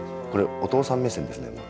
これお父さん目線ですね